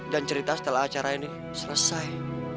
dan cerita setelah acara ini selesai